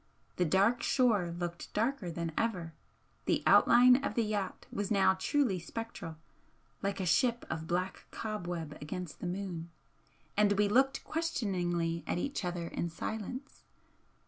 The dark shore looked darker than ever, the outline of the yacht was now truly spectral, like a ship of black cobweb against the moon, and we looked questioningly at each other in silence.